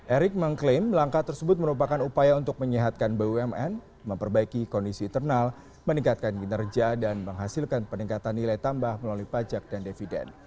erik mengklaim langkah tersebut merupakan upaya untuk menyehatkan bumn memperbaiki kondisi internal meningkatkan kinerja dan menghasilkan peningkatan nilai tambah melalui pajak dan dividen